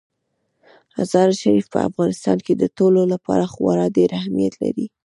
مزارشریف په افغانستان کې د ټولو لپاره خورا ډېر اهمیت لري.